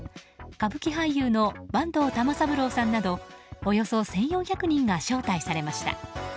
歌舞伎俳優の坂東玉三郎さんなどおよそ１４００人が招待されました。